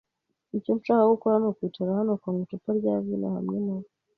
Icyo nshaka gukora nukwicara hano ukanywa icupa rya vino hamwe nawe.